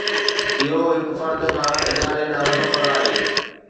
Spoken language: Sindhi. اهو هڪ فرد کان اداري ڏانهن سفر آهي.